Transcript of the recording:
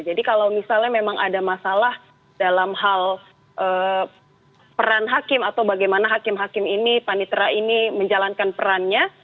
jadi kalau misalnya memang ada masalah dalam hal peran hakim atau bagaimana hakim hakim ini panitera ini menjalankan perannya